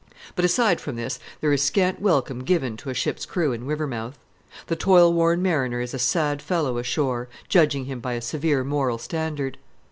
But aside from this there is scant welcome given to a ship's crew in Rivermouth. The toil worn mariner is a sad fellow ashore, judging him by a severe moral standard.